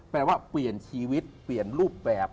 แปลว่าเปลี่ยนชีวิตเปลี่ยนรูปแบบ